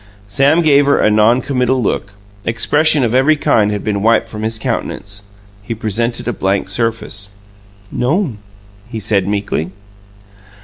Sam gave her a non committal look expression of every kind had been wiped from his countenance. He presented a blank surface. "No'm," he said meekly.